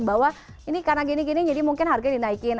bahwa ini karena gini gini jadi mungkin harga dinaikin